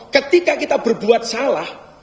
ketika kita berbuat salah